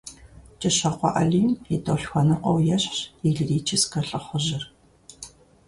КӀыщокъуэ алим и тӀолъхуэныкъуэу ещхьщ и лирическэ лӀыхъужьыр.